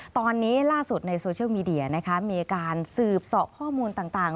ตอนนี้ล่าสุดในโซเชียลมีเดียนะคะมีการสืบเสาะข้อมูลต่าง